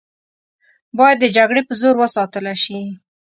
باید د جګړې په زور وساتله شي.